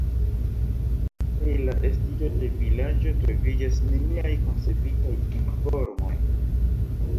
Pri la estiĝo de vilaĝo troviĝas neniaj konservitaj informoj.